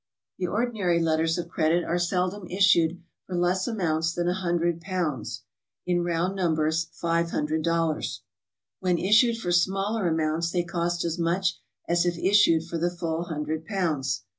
The ordinary letters of credit are seldom issued for less amounts than a hundred pounds, — in round numbers, $500. When issued for smaller amounts they cost as much as if issued for the full hundred pounds.